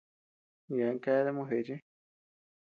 Yeabean keadea mojeché.